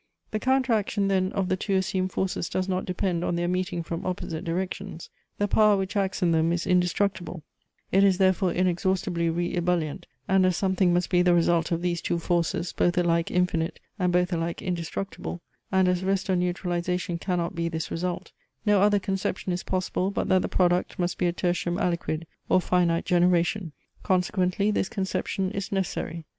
The counteraction then of the two assumed forces does not depend on their meeting from opposite directions; the power which acts in them is indestructible; it is therefore inexhaustibly re ebullient; and as something must be the result of these two forces, both alike infinite, and both alike indestructible; and as rest or neutralization cannot be this result; no other conception is possible, but that the product must be a tertium aliquid, or finite generation. Consequently this conception is necessary.